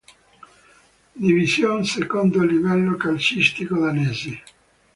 Division, secondo livello calcistico danese.